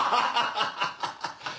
ハハハッ！